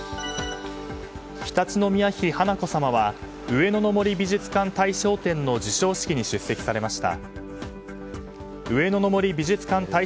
華子さまは上野の森美術館大賞展の授賞式に出席されました。